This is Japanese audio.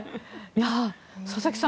佐々木さん